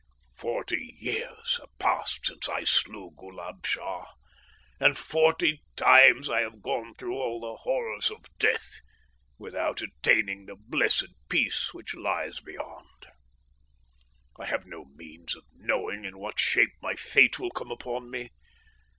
"Forty years have passed since I slew Ghoolab Shah, and forty times I have gone through all the horrors of death, without attaining the blessed peace which lies beyond. "I have no means of knowing in what shape my fate will come upon me.